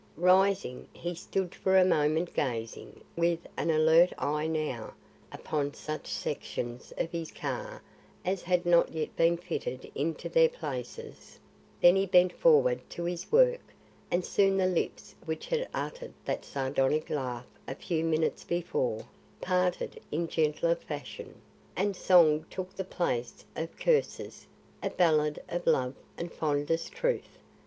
Rising, he stood for a moment gazing, with an alert eye now, upon such sections of his car as had not yet been fitted into their places; then he bent forward to his work, and soon the lips which had uttered that sardonic laugh a few minutes before, parted in gentler fashion, and song took the place of curses a ballad of love and fondest truth.